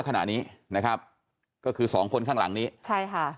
ขณะนี้นะครับก็คือสองคนข้างหลังนี้ใช่ค่ะ